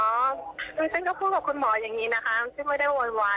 ตรงจริงก็พูดกับคุณหมออย่างนี้นะคะตรงจริงไม่ได้โวนวาย